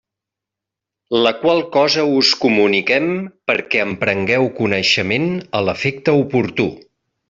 La qual cosa us comuniquem perquè en prengueu coneixement a l'efecte oportú.